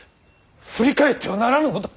振り返ってはならぬのだ。